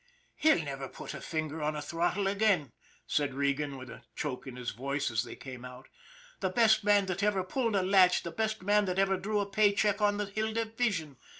" He'll never put his finger on a throttle again," said Regan with a choke in his voice, as they came out. " The best man that ever pulled a latch, the best man that ever drew a pay check on the Hill Division.